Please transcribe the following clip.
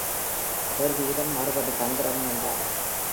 கேள்வியிலும் மறுபடி தந்திரம் வேண்டாம்.